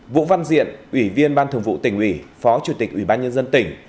vũ văn diện ủy viên ban thường vụ tỉnh ủy phó chủ tịch ủy ban nhân dân tỉnh